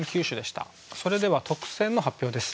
それでは特選の発表です。